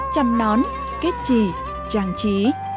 chăm nón kết chì trang trí